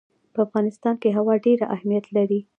په افغانستان کې هوا ډېر اهمیت لري.